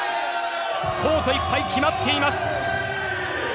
コートいっぱい決まっています。